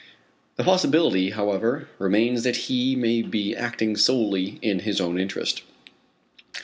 The possibility, however, remains that he may be acting solely in his own interest.